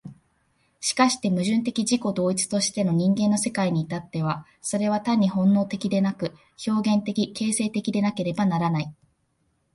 しかして矛盾的自己同一としての人間の世界に至っては、それは単に本能的でなく、表現的形成的でなければならない。